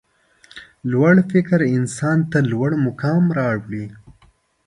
لوړ فکر انسان ته لوړ مقام راوړي.